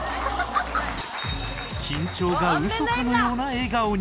緊張がウソかのような笑顔に